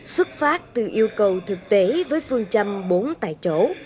xuất phát từ yêu cầu thực tế với phương châm bốn tại chỗ